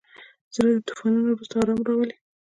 زړه د طوفانونو وروسته ارام راولي.